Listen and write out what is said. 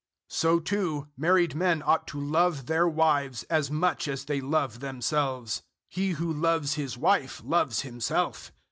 005:028 So too married men ought to love their wives as much as they love themselves. He who loves his wife loves himself.